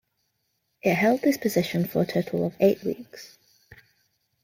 It held this position for a total of eight weeks.